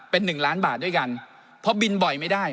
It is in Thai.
เป็นหนึ่งล้านบาทด้วยกันเพราะบินบ่อยไม่ได้